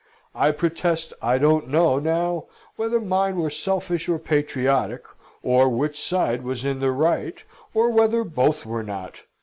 I protest I don't know now whether mine were selfish or patriotic, or which side was in the right, or whether both were not.